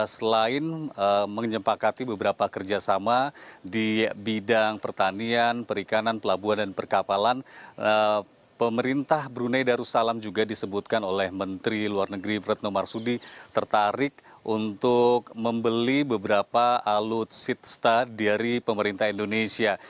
selain menyempakati beberapa kerjasama di bidang pertanian perikanan pelabuhan dan perkapalan pemerintah brunei darussalam juga disebutkan oleh menteri luar negeri retno marsudi tertarik untuk membeli beberapa alutsista dari pemerintah indonesia